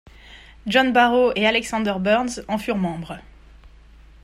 John Barrow et Alexander Burnes en furent membres.